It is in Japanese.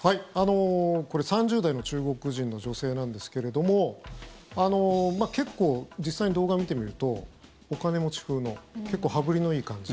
これ、３０代の中国人の女性なんですけれども結構、実際に動画を見てみるとお金持ち風の結構、羽振りのいい感じ。